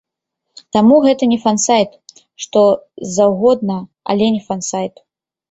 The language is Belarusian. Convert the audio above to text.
Таму гэта не фан-сайт, што заўгодна, але не фан-сайт.